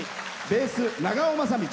ベース、長尾雅道。